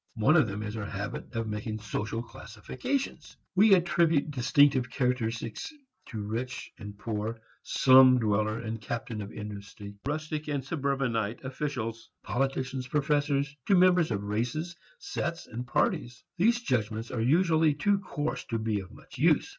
One of them is our habit of making social classifications. We attribute distinctive characteristics to rich and poor, slum dweller and captain of industry, rustic and suburbanite, officials, politicians, professors, to members of races, sets and parties. These judgments are usually too coarse to be of much use.